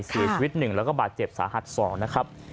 เสียชีวิต๑แล้วก็บาดเจ็บสาหัส๒นะครับ